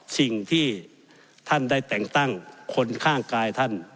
สิ่งที่ท่านได้แต่งตั้งคนข้างกายท่าน